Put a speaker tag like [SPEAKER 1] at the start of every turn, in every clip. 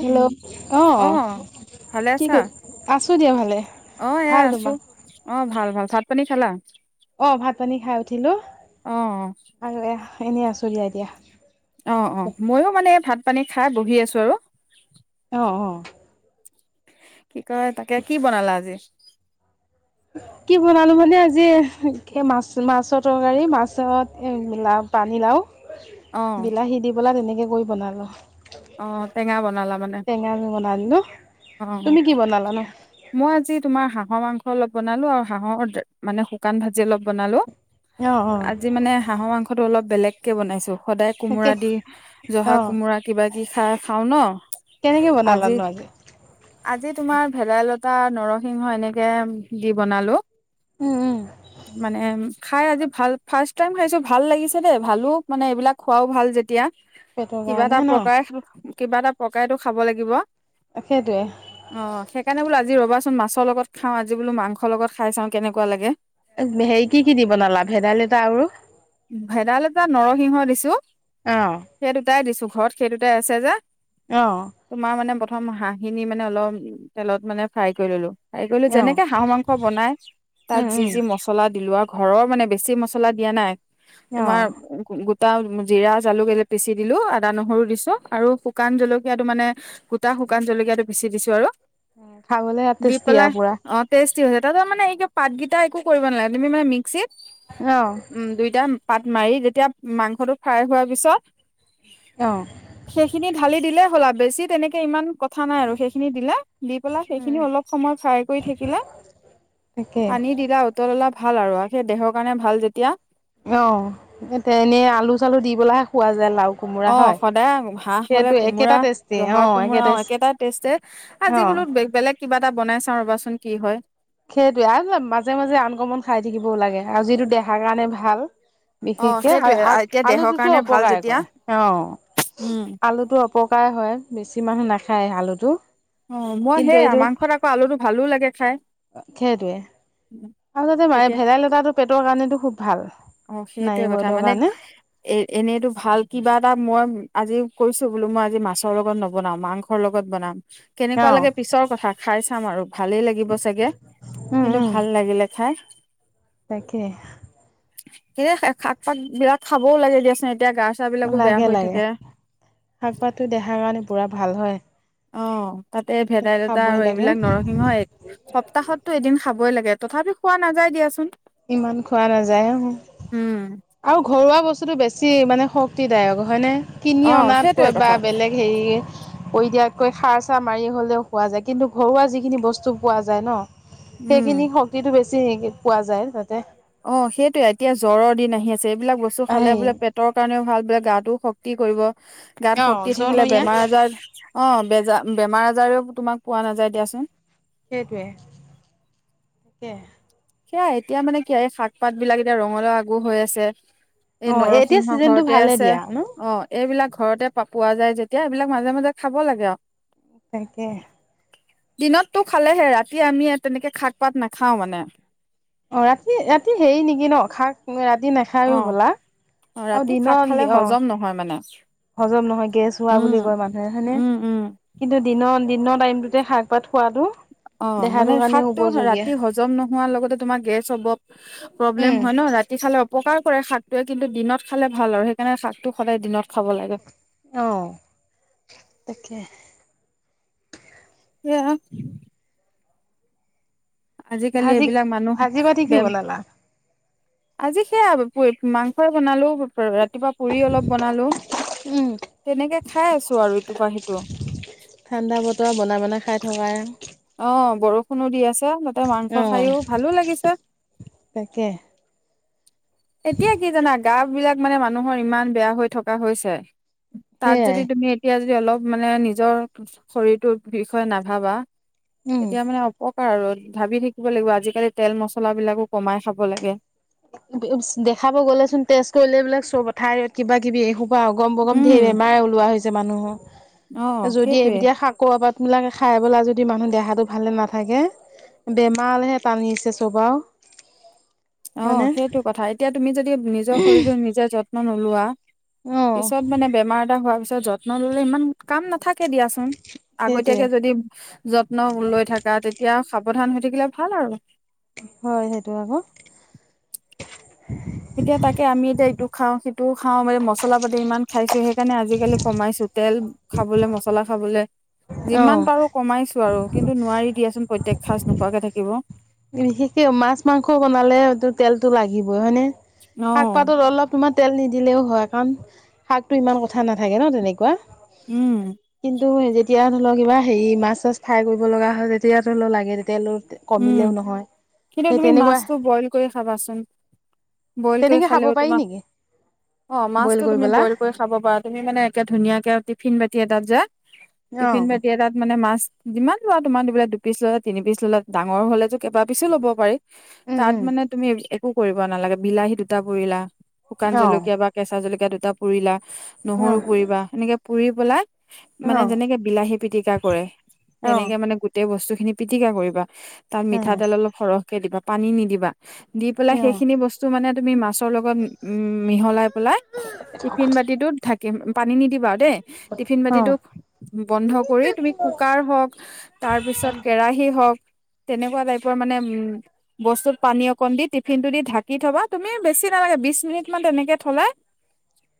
[SPEAKER 1] Hello, অ'।
[SPEAKER 2] ভালে
[SPEAKER 1] কি
[SPEAKER 2] আছা
[SPEAKER 1] কৰি? আছো দিয়া ভালে।
[SPEAKER 2] অ এয়া
[SPEAKER 1] ভাল
[SPEAKER 2] আছো
[SPEAKER 1] তোমাৰ?
[SPEAKER 2] অ ভাল ভাল পানী খালা?
[SPEAKER 1] অ', ভাত পানী খাই উঠিলো
[SPEAKER 2] অ অ
[SPEAKER 1] আৰু এ এনেই আছো দিয়া এতিয়া।
[SPEAKER 2] অ', অ', ময়ো মানে ভাত পানী খাই বহি আছো আৰু
[SPEAKER 1] আহ অ'।
[SPEAKER 2] [inaudible] কি কয় তাকে কি বনালা আজি
[SPEAKER 1] কি বনালো মানে আজি এ মাছ মাছৰ তৰকাৰী মাছত এ মিলা পানী লাও
[SPEAKER 2] অ
[SPEAKER 1] বিলাহী দি পেলা তেনে এনেকৈ কৰি বনালোঁ।
[SPEAKER 2] অ' টেঙা বনালা মানে
[SPEAKER 1] বনাই দিলো
[SPEAKER 2] অ'
[SPEAKER 1] তুমি কি বনালানো
[SPEAKER 2] মই আজি তোমাৰ হাঁহৰ মাংস অলপ বনালো আৰু হাঁহৰ মানে শুকান ভাজি অলপ বনালো।
[SPEAKER 1] অ অ
[SPEAKER 2] আজি মানে হাঁহৰ মাংসটো অলপ বেলেগ। কে বনাইছো। সদায়
[SPEAKER 1] তাকে
[SPEAKER 2] কোমোৰা দি
[SPEAKER 1] অ
[SPEAKER 2] জহা কোমোৰাক বাকী খাই খাওঁ ন?
[SPEAKER 1] কেনেকে বনালানো আজি।
[SPEAKER 2] আজি তোমাৰ ভেদাইলতা, নৰসিংহ এনেকে দি বনালো।
[SPEAKER 1] উম উম
[SPEAKER 2] মানে। খাই আজি ভাল ফাৰ্ষ্ট টাইম খাইছো ভাল লাগিছে দেই, ভালো মানে এইবিলাক খোৱাও ভাল যেতিয়া।
[SPEAKER 1] পেটৰ
[SPEAKER 2] কিবা এটা
[SPEAKER 1] কাৰণেে ন।
[SPEAKER 2] কিবা এটা। পকাইতো খাব লাগিব।
[SPEAKER 1] সেইটোৱে
[SPEAKER 2] অ সেইখনে বোলো। আজি ৰবাচোন মাছৰ লগ খাওঁ আজি বোলো। মাংস লগত খাই চাওঁ কেনেকুৱা লাগে।
[SPEAKER 1] হেৰি কি কি দি বনালা ভেদাইলতা আৰু
[SPEAKER 2] ভেদাইলতা নৰসিংহ দিছো
[SPEAKER 1] অহ।
[SPEAKER 2] সেইটোতে আছে যে। তোমাৰ মানে বট প্ৰথম হাঁহখিনি মানে অলপ তেলত মানে ফ্ৰাই কৰি ললো। হেৰি কৰিলো
[SPEAKER 1] অ
[SPEAKER 2] যেনেকে হাঁহ মাংস বনাই, তাত
[SPEAKER 1] উম
[SPEAKER 2] যি যি
[SPEAKER 1] উম
[SPEAKER 2] মছলা দিলোৱা। ঘৰৰ মানে বেছি মছলা দিয়া নাই। তোমাৰ
[SPEAKER 1] অহ
[SPEAKER 2] টা জিৰা জালুক এলে পিচি দিলো আদা নহৰু দিছো আৰু শুকান জলকীয়াটো মানে গোটা শুকান জলকিয়ীয়া টো পিচি দিছো আৰু।
[SPEAKER 1] খাবলে
[SPEAKER 2] দি
[SPEAKER 1] টেষ্টি
[SPEAKER 2] পেলাই
[SPEAKER 1] আৰু পুৰা।
[SPEAKER 2] অ টেষ্টি হৈছে তাতো মানে পাতকেইটা একো কৰিব নাগে তুমি মানে মিস্কিত
[SPEAKER 1] অ
[SPEAKER 2] উম দুইটাইম পাত মাৰি যেতিয়া মাংসটো ফ্ৰাই হোৱাৰ পিছত
[SPEAKER 1] অ।
[SPEAKER 2] সেইখিনি ঢালি দিলে হ'লা বেছি তেনেকে ইমান। থা নাই আৰু সেইখিনি দিলা দি পেলাই সেইখিনি অলপ সময় ফ্ৰাই কৰি থাকিলে
[SPEAKER 1] তাকে
[SPEAKER 2] পানী দিলা উতলাই। ভাল আৰু সেই দেহৰ কাৰণে ভাল যেতিয়া।
[SPEAKER 1] অ এ তে এনেই আলু চালু দি পেলহে খোৱা যায় লাও। কোমোৰা
[SPEAKER 2] অ
[SPEAKER 1] হয়
[SPEAKER 2] সদায় হাঁহ হলে
[SPEAKER 1] সেইটো একেটা
[SPEAKER 2] কোমোৰা
[SPEAKER 1] টেষ্টি অ
[SPEAKER 2] জহা
[SPEAKER 1] একে
[SPEAKER 2] কোমোৰা অ
[SPEAKER 1] টেষ্টি
[SPEAKER 2] একেটা টেষ্টে আজি
[SPEAKER 1] অ
[SPEAKER 2] বোলো বেলেগ কিবা এটা বনাই চাও ৰ'বাচোন। কি হয়।
[SPEAKER 1] সেইটোৱে আৰু মাজে মাজে আনকমন খাই থাকিবও লাগে আৰু যিটো দেহাৰ কাৰণে ভাল।
[SPEAKER 2] অ
[SPEAKER 1] বিশেষকে
[SPEAKER 2] সেইটোয়ে
[SPEAKER 1] আল
[SPEAKER 2] এতিয়া দেহৰ
[SPEAKER 1] আলুটোতো
[SPEAKER 2] কাৰণে ভাল
[SPEAKER 1] অপকাৰে
[SPEAKER 2] যেতিয়া
[SPEAKER 1] কৰে অ
[SPEAKER 2] উম
[SPEAKER 1] আলুটো অপকাৰে হয় বেছি মানুহ নাখ। খাই আলুটো।
[SPEAKER 2] অ মই
[SPEAKER 1] কিন্তু
[SPEAKER 2] সেইয়া
[SPEAKER 1] এইটো
[SPEAKER 2] মাংসত আকৌ আলুটো ভালো লাগে খাই।
[SPEAKER 1] সেইটোৱে আৰু তাতে ম
[SPEAKER 2] তেতিয়া
[SPEAKER 1] ভেদাইলতাটো পেটৰ। কাৰণেতো খুব। ভাল
[SPEAKER 2] অ
[SPEAKER 1] নাৰী
[SPEAKER 2] সেইটয়ে কথা
[SPEAKER 1] বৈদৰ
[SPEAKER 2] মানে
[SPEAKER 1] কাৰণে
[SPEAKER 2] এ এনেইতো ভাল কিবা এটা মই। আজি কৈছো বোলো মই আজি মাছৰ লগত নবনাও মাংসৰ লগত বনাম।
[SPEAKER 1] অ
[SPEAKER 2] কেনেকুৱা লাগে পিছৰ কথা খাই চা। সামাৰ। ভালেই লাগিব চাগে
[SPEAKER 1] উম
[SPEAKER 2] কিন্তু
[SPEAKER 1] উম
[SPEAKER 2] ভাল লাগিলে খাই।
[SPEAKER 1] তাকে
[SPEAKER 2] কি শাক পাক বিৰাট খাবও লাগে দিয়া চ্ম
[SPEAKER 1] লাগে লাগে শাক পাতটো দেখাৰ কাৰণে পুৰা ভাল হয়
[SPEAKER 2] অ তাতে
[SPEAKER 1] সেইটো
[SPEAKER 2] ভেদাইলতা
[SPEAKER 1] খাবই
[SPEAKER 2] আৰু
[SPEAKER 1] লাগে
[SPEAKER 2] এইবিলাক নৰসিংহ সপ্তাহতো এদিন খাবই লাগে তথাপি খোৱা নাযায় দিয়াচোন
[SPEAKER 1] ইমান খোৱা নাযায় অ আৰু ঘৰুৱা বস্তুতটো বেছি মানে শক্তিদায়ক হয়নে কিনি
[SPEAKER 2] অ সেইটোৱে
[SPEAKER 1] অনাতকৈ বা
[SPEAKER 2] কথা
[SPEAKER 1] বেলেগ হেৰি কৰি দিয়াত কৈ খাৰ চাৰ মাৰি হ'লেও খোৱা যায় কিন্তু ঘৰুৱা যিখিনি বস্তু পোৱা যায় ন
[SPEAKER 2] উম
[SPEAKER 1] সেইখিনি শক্তিটো বেছি পোৱা যায় তাতে
[SPEAKER 2] অ সেইটোয়ে এতিয়া জ্বৰ দিন আহি আছে স এইবিলাক বস্তু খালে
[SPEAKER 1] সেই
[SPEAKER 2] বোলে পেট কাৰণও ভাল বিিলাক গাতটোও শক্তি কৰিব গাত
[SPEAKER 1] অ
[SPEAKER 2] শক্তি থাকিলে
[SPEAKER 1] জনৰীয়া
[SPEAKER 2] বেমাৰ আজাৰ অ বেজাৰ বেমাৰ আজাৰেও তোমাক পোৱা নাযায় দিয়াচোন
[SPEAKER 1] সেইটোৱে তাকে
[SPEAKER 2] সেয়া এতিয়া মানে কি এই শাক পাত বিলাক এতিয়া ৰঙলা আগু হৈ আছে এই
[SPEAKER 1] অ এতিয়া
[SPEAKER 2] নৰসিংহ
[SPEAKER 1] চিজনটো
[SPEAKER 2] ঘৰতে
[SPEAKER 1] ভালে
[SPEAKER 2] আছে
[SPEAKER 1] দিয়া ন
[SPEAKER 2] অ এইবিলাক ঘৰতে পোৱা যায় যেতিয়া এইবিলাক মাজে মাজে খাব লাগে আৰু
[SPEAKER 1] তকে
[SPEAKER 2] দিনততটো খালেহে ৰাতি আমি তেনেকে শাক পাত নাখাও মানে
[SPEAKER 1] অ ৰাতি ৰাতি হেৰি নেকি ন খাক ৰাতি নাখায়ো
[SPEAKER 2] অ
[SPEAKER 1] হবলা আৰু
[SPEAKER 2] ৰাতি শাক
[SPEAKER 1] দিনত
[SPEAKER 2] খালে
[SPEAKER 1] অ
[SPEAKER 2] হজম নহয় মানে
[SPEAKER 1] হজম নহয় গেছ হোৱা বুলি
[SPEAKER 2] উম
[SPEAKER 1] কয় মানুহে হয়নেে
[SPEAKER 2] উম উম
[SPEAKER 1] কিন্তু দিনত দিনৰ টাইমটোতে শাক পাত খোৱাতটো
[SPEAKER 2] অ মানে শাকটোো ৰাতি হজম নোহোৱাৰ লগতে তোমাৰ গেছ অব
[SPEAKER 1] উম
[SPEAKER 2] প্ৰব্লেম হয় ন ৰাতি খালে অ উপকাৰ কৰে শাকটোৱে কিন্তু দিনত খালে ভাল আৰু সেইকাৰণে শাকটো সদায় দিনত খাব লাগে
[SPEAKER 1] আহ তাকে
[SPEAKER 2] এ
[SPEAKER 1] ভাজি
[SPEAKER 2] এইবিলাক মানুহ
[SPEAKER 1] ভাজি পাতিি কি
[SPEAKER 2] বেম
[SPEAKER 1] বনালা
[SPEAKER 2] আজি সেয়া মাংস বনালেওতি ইটোপা পুৰি অলপ বনালো
[SPEAKER 1] উম
[SPEAKER 2] তেনেকে খাই আছো আৰু ইটোপা সিটো
[SPEAKER 1] ঠাণ্ডা বতৰ বনাই বনাই খাই থকাই
[SPEAKER 2] অ বৰষুণ কোনো দি আছে ত মাংস
[SPEAKER 1] অ
[SPEAKER 2] খাইও ভালো লাগিছে।
[SPEAKER 1] তাকে
[SPEAKER 2] এতিয়া কি জানা! গা বিলাক মানে মানুহৰ ইমান বেয়া হৈ থকা হৈছে। তাত
[SPEAKER 1] সেইয়াই
[SPEAKER 2] যদি তুমি এতিয়া দি অলপ মানে নিজৰ শৰীৰটোৰ বিষয়ে নাভাবা,
[SPEAKER 1] উম
[SPEAKER 2] তেতিয়া মানে অপকাৰ আৰু ভাবি থাকিব লাগিব, আজিকালি তেল মচলাবিলাকো কমাই খাব লাগে।
[SPEAKER 1] দেখাব গ'লে চোন তেজ কৰিলে এইবিলাক চব এথাইত কিবা কিবি এসো পা অগম বগম
[SPEAKER 2] উম
[SPEAKER 1] ধেৰ বেমাৰে ওলোৱা হৈছে। যে
[SPEAKER 2] অ
[SPEAKER 1] মানুহক যদি
[SPEAKER 2] সেইটোয়ে
[SPEAKER 1] এবিদে শাক কৰোবাত বিলাকে খাই পেলাই যদি মানুহ দেহাটো ভালে নাথাকে, বেমাৰলেহে টানিছে চব আও।
[SPEAKER 2] অ
[SPEAKER 1] হয়নে
[SPEAKER 2] সেইটো কথা এতিয়া তুমি যদি নিজৰ শৰীৰৰ নিজে যত্ন যত্ন নোলোৱা-
[SPEAKER 1] অ
[SPEAKER 2] পিছত মানে বেমাৰ এটা হোৱাৰ পিছত যত্ন ললে ইমান কাম নাথাকে। দিয়াচোন।
[SPEAKER 1] সেইটোৱে
[SPEAKER 2] আগতীয়াকে যদি যত্ন লৈ থাকা, তেতিয়া সাৱধান হৈ থাকিলে ভাল আৰু
[SPEAKER 1] হয় সেইটো আকৌ।
[SPEAKER 2] এতিয়া তাকে আমি এতিয়া এইটো খাওঁ, সিটো টো খাওঁ, মানে মছলা পাতি ইমান খাইছো সেইকাৰণে আজিকালি কমাইছো তেল খাবলে, মছলা খাবলে
[SPEAKER 1] অ
[SPEAKER 2] যিমান পাৰো কমাইছো আৰু কিন্তু নোৱাৰি দিয়াচোন প্ৰত্যেক সাঁজ নোখোৱাকে থাকিব।
[SPEAKER 1] বিশেষকে মাছ মাংস বনালেটো তেলতটো লাগিব। হয়নে?
[SPEAKER 2] অ
[SPEAKER 1] শাক পাতত অলপ সময় তেল নিদি দিলেও হয়, কাৰণ শাকটো ইমান কথা নাথাকে ন তেনেকুৱা।
[SPEAKER 2] উম
[SPEAKER 1] তো যেতিয়া ধৰি লওক কিবা হেৰি মাছ চাছ ফ্ৰাই কৰিব লগা হয় তেতিয়া ধৰা লাগে, যেতিয়া লোক
[SPEAKER 2] উম
[SPEAKER 1] কমিলেও নহয়।
[SPEAKER 2] কিন্তু
[SPEAKER 1] সেই
[SPEAKER 2] তুমি
[SPEAKER 1] তেনেকুৱা
[SPEAKER 2] মাছটো বইল কৰি খাবাচোন। বইল কৰি
[SPEAKER 1] তেনেকে খাব
[SPEAKER 2] খালেও
[SPEAKER 1] পাৰি
[SPEAKER 2] তোমাক
[SPEAKER 1] নেকি
[SPEAKER 2] অ
[SPEAKER 1] বইল
[SPEAKER 2] মাছতটো
[SPEAKER 1] কৰি
[SPEAKER 2] তুমি
[SPEAKER 1] পেলা
[SPEAKER 2] বইল কৰি খাব পাৰা, তুমি মানে একে ধুনীয়াকে অতি ফিন বাতি এটাত যে
[SPEAKER 1] অ
[SPEAKER 2] টিফিন বাতি এটাত মানে মাছ যিমান লোৱা তোমাৰ দিবিলে দুপিছ ল'লে, তিনি পিচ ল'লে ডাঙৰ হলেতো কিবা পিছো ল'ব পাৰি
[SPEAKER 1] উম
[SPEAKER 2] তাত
[SPEAKER 1] উম
[SPEAKER 2] মানে তুমি একো কৰিব নালাগে বিলাহী দুটা পুৰিলা শুকান জলকীয়া বা কেঁচা জলকীয়া [unintelligible] দুটাুৰিলা। নহৰু কৰিবুবা সেনেকে পুৰি। [unintelligible] মানে যেনেকে বিলাহী পিতিকা কৰে, তেনেকে মানে গোটেই বস্তু খিনি পিটিকা কৰিবা? তাত মিঠাতেল অলপ সৰহ কেতিয়াবা পানী নিদিবা দি পেলাই সেইখিনি বস্তু মানে তুমি মাছ মোৰ লগত মিহলাই পেলাই টিফিন বাতিটোত ঢাকি পানী নিদিবা আৰু দেই। টিফিন বাতিটো বন্ধ কৰি তুমি কুকাৰ হওক, তাৰপিছত কেৰাহি হওক [unintelligible] তেনেকুৱা টাইপৰ মানে বস্তুত পানী অকণ দি টিফিনটো দি ঢাকি থবা তুমি বেছি নালাগে বিশ মিনিট মান তেনেকে থলে [unintelligible]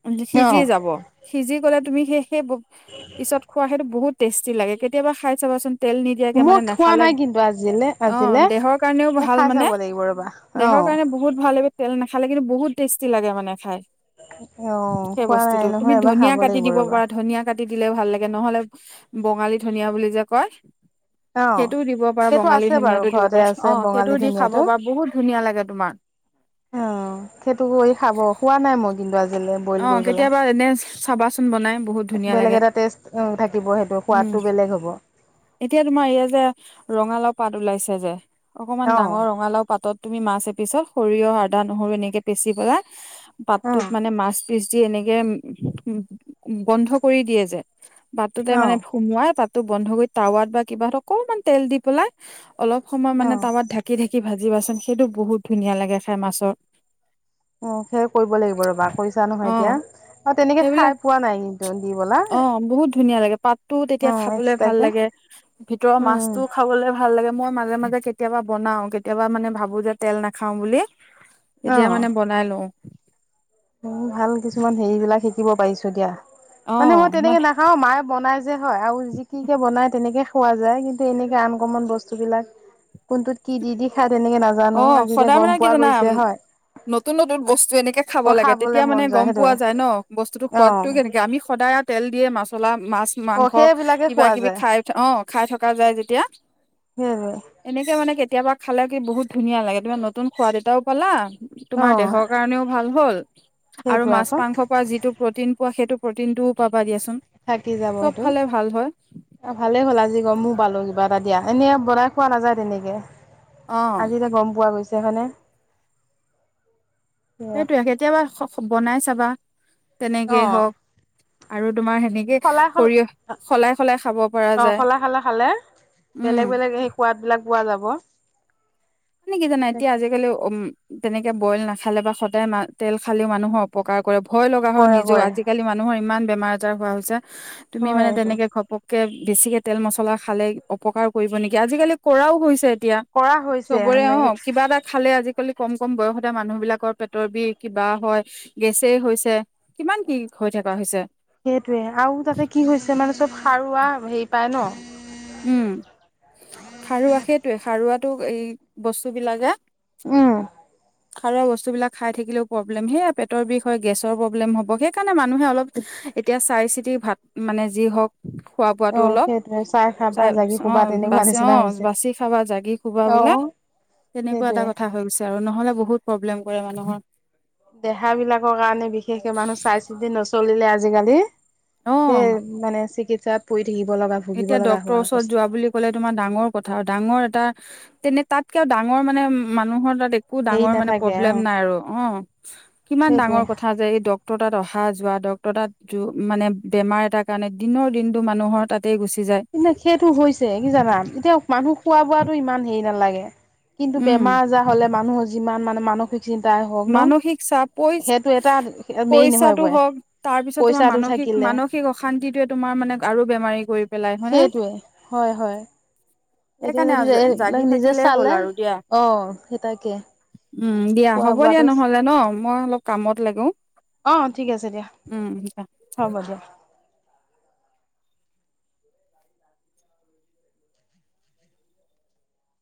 [SPEAKER 2] [unintelligible] সিজি যাব সিজি গ'লে [inaudible] সেই পিছত খোৱা সেইটো বহুত টেষ্টি লাগে কেতিয়াবা খাই চাবাচোন তেল নিদিয়াকে
[SPEAKER 1] মই
[SPEAKER 2] মানে
[SPEAKER 1] খোৱা
[SPEAKER 2] নেখাল
[SPEAKER 1] নাই কিন্তু আজিলে
[SPEAKER 2] অ
[SPEAKER 1] আজিলে
[SPEAKER 2] দেহৰ কাৰণেও
[SPEAKER 1] এ
[SPEAKER 2] ভাল
[SPEAKER 1] খাই
[SPEAKER 2] মানে
[SPEAKER 1] চাব লাগিব ৰবা অ
[SPEAKER 2] দেহৰ কাৰণে বহুত ভাল তেল নাখালে কিন্তু বহুত টেষ্টি লাগে মানে খাই
[SPEAKER 1] অ
[SPEAKER 2] সেই
[SPEAKER 1] খোৱা নাই
[SPEAKER 2] বস্তুটো তুমি
[SPEAKER 1] নহয় এবাৰ
[SPEAKER 2] ধনিয়া
[SPEAKER 1] খাব
[SPEAKER 2] কাটি
[SPEAKER 1] লাগিব
[SPEAKER 2] দিব
[SPEAKER 1] ৰবা
[SPEAKER 2] পাৰা ধনিয়া কাটি দিলে ভাল লাগে নহলে বঙালী ধনিয়া বুলি যে কয়
[SPEAKER 1] অ
[SPEAKER 2] সেইটোও দিব। পাৰা
[SPEAKER 1] সেইটো
[SPEAKER 2] বঙালী
[SPEAKER 1] আছে বাৰু
[SPEAKER 2] ধনিয়াটো দিব
[SPEAKER 1] ঘৰতে
[SPEAKER 2] পাৰা অ
[SPEAKER 1] আছে
[SPEAKER 2] সেইটো
[SPEAKER 1] বঙালী
[SPEAKER 2] দি
[SPEAKER 1] ধুনীয়া
[SPEAKER 2] খাব
[SPEAKER 1] টো,
[SPEAKER 2] পাৰা বহুত ধুনীয়া লাগে তোমাৰ
[SPEAKER 1] অ', সেইটো কৰি খাব খোৱা নাই মই। [unintelligible] কিন্তু আজিলৈ বইল
[SPEAKER 2] অ
[SPEAKER 1] কৰি পেলাই
[SPEAKER 2] কেতিয়াবা এনে চাবাচোন বনাই বহুত ধুনীয়া
[SPEAKER 1] বেলেগ
[SPEAKER 2] লাগে
[SPEAKER 1] এটা টেষ্ট থাকিব সেইটো
[SPEAKER 2] উম
[SPEAKER 1] সোৱাদটো বেলেগ হ'ব
[SPEAKER 2] এতিয়া তোমাৰ ইয়াত [unintelligible] যে ৰঙালাও পাত ওলাইছে যে। অকনমান
[SPEAKER 1] অ
[SPEAKER 2] ডাঙৰ ৰঙালাও পাতত তুমি মাছ তাৰ পিছত সৰিয়হ আদা নহৰু এনেকে পিচি পেলাই
[SPEAKER 1] অ
[SPEAKER 2] পাতটোত মানে মাছ পিচ দি এনেকে, বন্ধ কৰি দিয়ে যে পাটটোতে
[SPEAKER 1] অ
[SPEAKER 2] মানে সোমোৱাই তাত টো বন্ধ কৰি টাৱাত বা কিবা অকমান তেল দি পেলাই অলপ সময় মানে
[SPEAKER 1] অ
[SPEAKER 2] তাৱাত ঢাকি থাকি কি ভাজিবাচোন সেইটো বহুত ধুনীয়া লাগে খাই মাছৰ।
[SPEAKER 1] উ সেয়াই কৰিব লাগিব ৰবা কৰিছা
[SPEAKER 2] অ
[SPEAKER 1] নহয়। এতিয়া অ তেনেকে খাই
[SPEAKER 2] সেইবিলাক,
[SPEAKER 1] পোৱা নাই কিন্তু দি বলা
[SPEAKER 2] অ বহুত ধুনীয়া লাগে, পাতটোও
[SPEAKER 1] অ
[SPEAKER 2] তেতিয়া খাবলে ভাল
[SPEAKER 1] এক্সট্ৰাকে
[SPEAKER 2] লাগে ভিতৰৰ
[SPEAKER 1] উম
[SPEAKER 2] মাছটোও খাবলে ভাল লাগে। মই মাজে মাজে কেতিয়াবা বনাও, কেতিয়াবা মানে ভাবো যে তেল নাখাও বুলি। তেতিয়া মানে বনাই লও।
[SPEAKER 1] উ ভাল কিছুমান হেৰিবলাক শিকিব পাৰিছো দিয়া। মানে মই তেনেকে নাখাও মায়ে বনাই হয় আৰু যি কি কি বনাই তেনেকে খোৱা যায়। কিন্তু এনেকে আন কমন বস্তু বিলাক কোনটোত কি দি দি খায়
[SPEAKER 2] অ সদায় মানে কি জানা,
[SPEAKER 1] হয়
[SPEAKER 2] নতুন নতুন বস্তু এনেকে খ
[SPEAKER 1] অ খাবলে
[SPEAKER 2] তেতিয়া
[SPEAKER 1] মন
[SPEAKER 2] মানে গম
[SPEAKER 1] সেইটোৱে
[SPEAKER 2] যায় ন। বস্তুতো
[SPEAKER 1] অ
[SPEAKER 2] সুৱাদতটো কেনেকে আমি সদায় তেল দিয়ে মাছ চলাম। মাছ
[SPEAKER 1] অ
[SPEAKER 2] মাংস
[SPEAKER 1] সেইবিলাকে
[SPEAKER 2] কিবা
[SPEAKER 1] খোৱা
[SPEAKER 2] কিবি
[SPEAKER 1] যায়
[SPEAKER 2] খাই অ খাই থকা যায় যেতিয়া,
[SPEAKER 1] সেইটোৱে
[SPEAKER 2] এনেকে মানে কেতি কেতিয়াবা খালে কি বহুত ধুনীয়া লাগে তুমাৰ নতুন সোৱাদ এটাও পালা
[SPEAKER 1] অ
[SPEAKER 2] তোমাৰ দেহৰ কাৰণেও ভাল হ'ল। আৰু
[SPEAKER 1] সেইটোৱে
[SPEAKER 2] মাছ
[SPEAKER 1] আকৌ
[SPEAKER 2] মাংসৰ পৰা যিটো প্ৰতিন অ', সেইটো প্ৰটিনটোও পাবা দিয়া চোন।
[SPEAKER 1] থাকি যাব সেইটো অ ভালেই হ'ল আজি গমো পালো কিবা। ব দিয়া। এনেই বনাই খোৱা নাযায় তেনেকে।
[SPEAKER 2] অ
[SPEAKER 1] আজি এটিয়া গম পোৱা গৈছে। [unintelligible]
[SPEAKER 2] সেইটোয়ে কেতিয়াবা বনাই চাবা।
[SPEAKER 1] অ
[SPEAKER 2] তেনেকেই হওক। আৰু তোমাৰ সেনেকে
[SPEAKER 1] শলাই শল
[SPEAKER 2] সৰিয়হ সলাই সলাই খাব পৰা
[SPEAKER 1] অ
[SPEAKER 2] যায়।
[SPEAKER 1] শলা খালা খালে
[SPEAKER 2] উম।
[SPEAKER 1] বেলেগ বেলেগ সেই সোৱাদ বিলাক পোৱা যাব
[SPEAKER 2] মানে কি জানা এতিয়া
[SPEAKER 1] তাকে
[SPEAKER 2] আজিকালি উম। তেনেকে বইল নাখালে বা সদায় মা তেল খালেও মানুহৰ অপকা কৰে ভয় লগা হয়
[SPEAKER 1] কৰে
[SPEAKER 2] নিজে
[SPEAKER 1] কৰে
[SPEAKER 2] আজিকালি মানুহৰ ইমান বেমাৰ বজাৰ হোৱা হৈছে তুমি
[SPEAKER 1] হয়
[SPEAKER 2] মানে
[SPEAKER 1] এইটো
[SPEAKER 2] তেনেকে ঘপক কে বেছিকে তেল মছলা খালে অপকাৰ কৰিব নেকি আজিকালি কৰাও হৈছে।
[SPEAKER 1] কৰা হৈছে।
[SPEAKER 2] খবৰে
[SPEAKER 1] সেনেকে
[SPEAKER 2] অ' কিবা এটা খালে আজিকালি কম কম বয়সতে মানুহ বিলাকৰ পেটৰ বিষ, কিবা হয়, গেছেই হৈছে, কিমান কি হৈ থকা হৈছে।
[SPEAKER 1] সেইটোয়ে। আৰু তাতে কি হৈছে মানে চব সাৰু পোৱা হেৰি পাই ন'
[SPEAKER 2] উম খাৰুৱা সেইটয়ে খাৰুৱাতটো এই বস্তু বিলাকে।
[SPEAKER 1] উম
[SPEAKER 2] খাৰুৱা বস্তুবিলাক খাই থাকিলেও প্ৰবলেম সেয়য়া পেটৰ বিষ হয় গেছৰ প্ৰব্ম হ'ব সেইকাৰণে মানুহে অলপ এতিয়া চাই চিতি ভাত মানে যি হওক
[SPEAKER 1] অ' সেইটোয়ে চাই খাব
[SPEAKER 2] তাই অ', বাছি অ', বাছি খাবা জাগি শুবা
[SPEAKER 1] অ
[SPEAKER 2] বোলে, তেনেকুৱা এটা
[SPEAKER 1] সেইটোৱে
[SPEAKER 2] কথা হৈ গৈছে আৰু নহ'লে বহুত প্ৰব প্ৰব্লেম কৰে মানুহৰ।
[SPEAKER 1] দেহ বিলাকৰ কাৰণে বিশেষকে মানুহ চাই চিতি নচলিলে আজিকালি।
[SPEAKER 2] অ
[SPEAKER 1] সেই মানে চিকিৎসা। ছাত পৰি থাকিব লগা ভুগিব
[SPEAKER 2] এতিয়া
[SPEAKER 1] লগা
[SPEAKER 2] ডক্তৰৰ
[SPEAKER 1] হোৱা
[SPEAKER 2] ওচৰত
[SPEAKER 1] অৱস্থা
[SPEAKER 2] যোৱা বুলি ক'লে তোমাৰ ডাঙৰ কথা ডাঙৰ এটা তেনে তাতকেও ডাঙৰ মানে মানুহৰ তাত। একো
[SPEAKER 1] হেৰি
[SPEAKER 2] ডাঙৰ মানে
[SPEAKER 1] নাথাকে
[SPEAKER 2] পবলেম
[SPEAKER 1] অ
[SPEAKER 2] নাই আৰু। অ', কিমান
[SPEAKER 1] সেইটোৱে
[SPEAKER 2] ডাঙৰ কথা যে এই ডক ডক্টৰ তাত অহা যোৱা, ডক্টৰ তাত যো মানে বেমাৰ এটাৰ কাৰণে দিনৰ দিনটো মানুহৰ তাত তে গুছে।
[SPEAKER 1] [unintelligible] সেইটো হৈছে কি জানা, এতিয়া মানুহ খোৱা বোৱাাতো ইমান হেৰি নালাগে [unintelligible] কিন্তু
[SPEAKER 2] উম
[SPEAKER 1] বেমাৰ আজাৰ হলে মানুহৰ যিমান মানে। মানসিক। চিন্তাই হওক ন
[SPEAKER 2] মানসিক চাপ পইচ
[SPEAKER 1] সেইটো এটা মেইন হৈ
[SPEAKER 2] পইচাটো
[SPEAKER 1] পৰে
[SPEAKER 2] হওঁক, তাৰ পিছত তোমাৰ
[SPEAKER 1] পইচাটো
[SPEAKER 2] মানসিক
[SPEAKER 1] থাকিলে
[SPEAKER 2] মানসিক অশান্তিটোয়ে তোমাৰ মানে আৰু বেমাৰী কৰি পেলাই হয়নে
[SPEAKER 1] সেইটোৱে হয় -হয় এতিয়া
[SPEAKER 2] সেইকাৰণে
[SPEAKER 1] যদি এই
[SPEAKER 2] জাগি
[SPEAKER 1] বিলাক নিজে
[SPEAKER 2] থাকিলেই হ'ল
[SPEAKER 1] চালে
[SPEAKER 2] আৰু দিয়া
[SPEAKER 1] অ সেইটাকে
[SPEAKER 2] উম দ হ'ব দিয়া নহলে ন মই অলপ কামত লাগো
[SPEAKER 1] অ', ঠিক আছে দিয়া।
[SPEAKER 2] উম
[SPEAKER 1] হ'ব দিয়া।